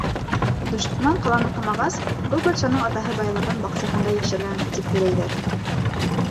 Дошман ҡаланы ҡамағас, был батшаның атаһы байлығын баҡсаһында йәшергән, тип һөйләйҙәр.